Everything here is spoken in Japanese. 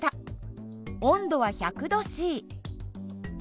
温度は１００℃。